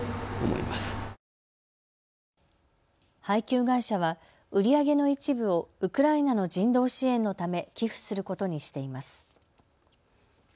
配給会社は売り上げの一部をウクライナの人道支援のため寄付することにしています。